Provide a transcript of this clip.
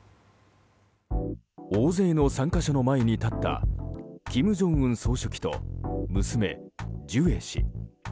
大勢の参加者の前に立った金正恩総書記と娘ジュエ氏。